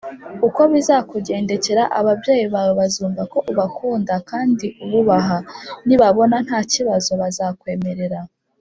Uko bizakugendekera ababyeyi bawe bazumva ko ubakunda kandi ububaha nibabona nta kibazo bazakwemerera